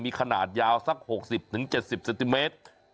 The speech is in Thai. มีขนาดยาวสัก๖๐๗๐เซนติเมตร